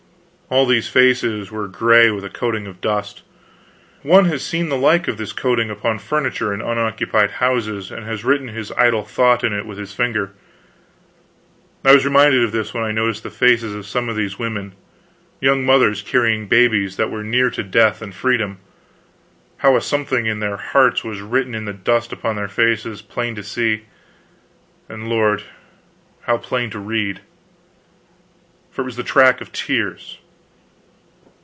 All these faces were gray with a coating of dust. One has seen the like of this coating upon furniture in unoccupied houses, and has written his idle thought in it with his finger. I was reminded of this when I noticed the faces of some of those women, young mothers carrying babes that were near to death and freedom, how a something in their hearts was written in the dust upon their faces, plain to see, and lord, how plain to read! for it was the track of tears.